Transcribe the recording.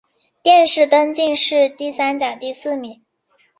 殿试登进士第三甲第四名。